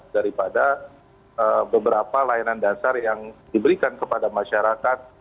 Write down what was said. daripada beberapa layanan dasar yang diberikan kepada masyarakat